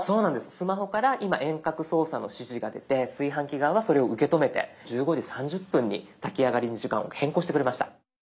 スマホから今遠隔操作の指示が出て炊飯器側はそれを受け止めて１５時３０分に炊き上がりに時間を変更してくれました。